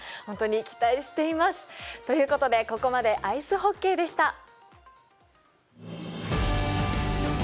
本当に期待しています！ということでここまでアイスホッケーでした。